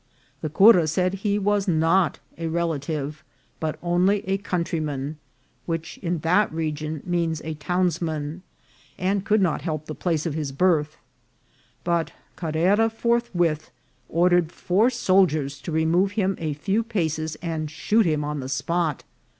The cura said he was not a relative, but only a coun tryman (which in that region means a townsman), and could not help the place of his birth ; but Carrera forth with ordered four soldiers to remove him a few paces and shoot him on the spot.